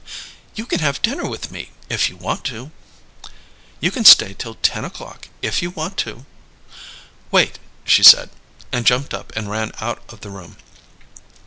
"You can have dinner with me if you want to? You can stay till ten o'clock if you want to? Wait!" she said, and jumped up and ran out of the room.